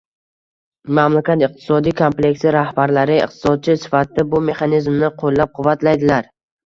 Mamlakat iqtisodiy kompleksi rahbarlari iqtisodchi sifatida bu mexanizmni qo'llab -quvvatlaydilar